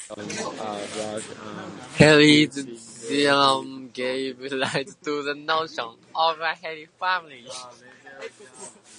Helly's theorem gave rise to the notion of a Helly family.